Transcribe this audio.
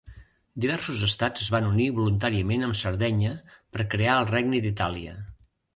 Diversos estats es van unir voluntàriament amb Sardenya per crear el regne d'Itàlia.